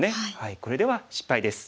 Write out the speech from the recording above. これでは失敗です。